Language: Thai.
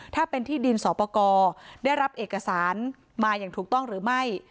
ถ้าเป็นที่ดินสอปกรได้รับเอกสารมาอย่างถูกต้องหรือไม่